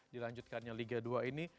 dilanjutkannya liga dua ini